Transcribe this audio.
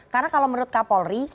karena kalau menurut kapolri